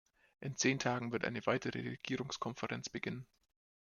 In zehn Tagen wird eine weitere Regierungskonferenz beginnen.